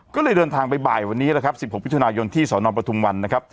ก็เลยเดินทางไปบ่ายวันนี้สิบหกวิทยุนายนที่สนปฐุมวัน